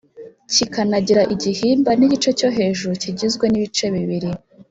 kikanagira igihimba n igice cyo hejuru kigizwe nibice bibiri